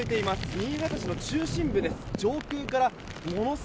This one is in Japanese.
新潟市の中心部です。